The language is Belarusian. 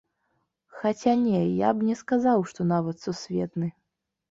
Хаця, не, я б не сказаў, што нават сусветны.